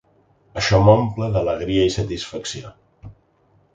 Això m’omple d’alegria i satisfacció.